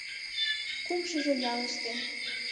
Кумышыжо ялыште, —